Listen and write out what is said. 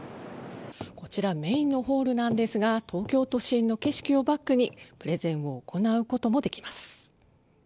こちらメインのホールなんですが東京都心の景色をバックにプレゼンを行うこともできます。